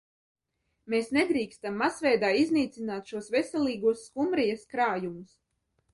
Mēs nedrīkstam masveidā iznīcināt šos veselīgos skumbrijas krājumus.